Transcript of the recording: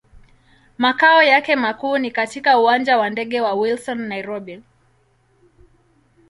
Makao yake makuu ni katika Uwanja wa ndege wa Wilson, Nairobi.